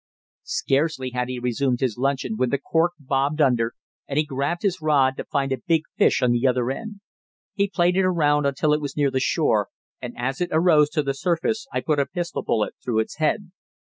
Scarcely had he resumed his luncheon when the cork bobbed under, and he grabbed his rod to find a big fish on the other end. He played it around until it was near the shore, and as it arose to the surface I put a pistol bullet through its head.